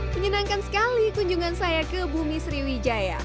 menyenangkan sekali kunjungan saya ke bumi sriwijaya